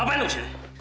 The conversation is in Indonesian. apaan lu disini